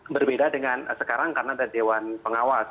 berbeda dengan sekarang karena ada dewan pengawas